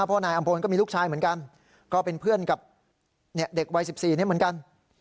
เพราะนายอำพลก็มีลูกชายเหมือนกันก็เป็นเพื่อนกับเด็กวัย๑๔นี้เหมือนกัน